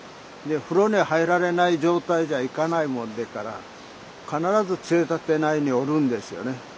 で風呂に入られない状態じゃいかないもんでから必ず杖立内におるんですよね。